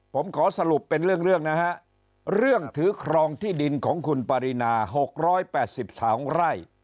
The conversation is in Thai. ผมขอสรุปเป็นเรื่องนะฮะเรื่องถือครองที่ดินของคุณปรินา๖๘๒ไร่